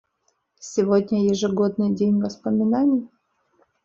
Сегодня — ежегодный день воспоминаний.